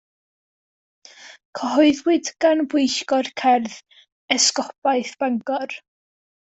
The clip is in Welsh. Cyhoeddwyd gan Bwyllgor Cerdd Esgobaeth Bangor.